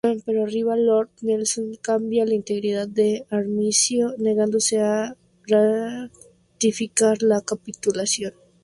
Pero arriba Lord Nelson cambiando la integridad del armisticio, negándose a ratificar la capitulación.